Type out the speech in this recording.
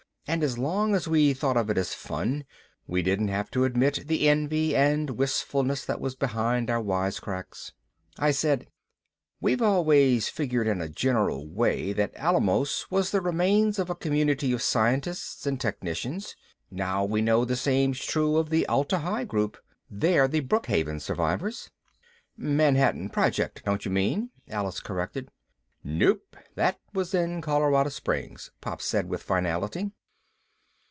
(And as long as we thought of it as fun, we didn't have to admit the envy and wistfulness that was behind our wisecracks.) I said, "We've always figured in a general way that Alamos was the remains of a community of scientists and technicians. Now we know the same's true of the Atla Hi group. They're the Brookhaven survivors." "Manhattan Project, don't you mean?" Alice corrected. "Nope, that was in Colorado Springs," Pop said with finality.